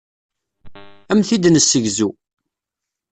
Ad am-t-id-nessegzu.